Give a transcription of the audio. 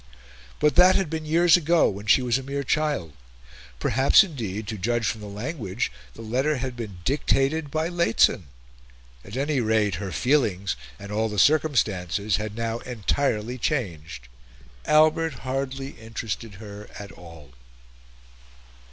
But that had been years ago, when she was a mere child; perhaps, indeed, to judge from the language, the letter had been dictated by Lehzen; at any rate, her feelings, and all the circumstances, had now entirely changed. Albert hardly interested her at all.